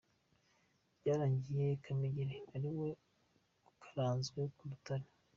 Byarangiye Kamegeri ari we ukaranzwe ku rutare.